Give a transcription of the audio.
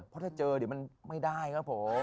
เพราะถ้าเจอเดี๋ยวมันไม่ได้ครับผม